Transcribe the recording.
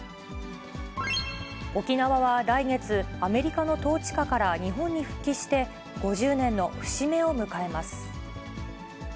沖縄は来月、アメリカの統治下から日本に復帰して５０年の節目を迎えます。